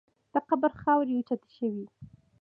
د قبر خاورې اوچتې شوې.